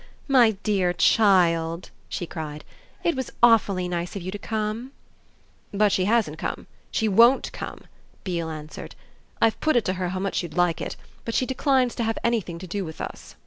My dear child," she cried, "it was awfully nice of you to come!" "But she hasn't come she won't come!" Beale answered. "I've put it to her how much you'd like it, but she declines to have anything to do with us."